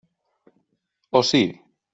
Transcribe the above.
O sí?